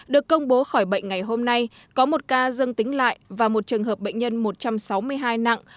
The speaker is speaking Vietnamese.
được công bố khỏi bệnh ngày hôm nay có một ca dân tính lại và một trường hợp bệnh nhân một trăm sáu mươi hai nặng